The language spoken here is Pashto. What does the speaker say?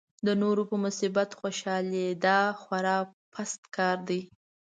د نورو په مصیبت خوشالېدا خورا پست کار دی.